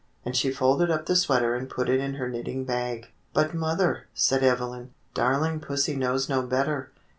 And she folded up the sweater and put it in her knitting bag. "But mother," said Evelyn, "darling pussy knows no better.